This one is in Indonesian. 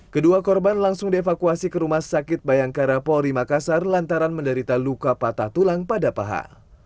kedua korban langsung dievakuasi ke rumah sakit bayangkara polri makassar lantaran menderita luka patah tulang pada paha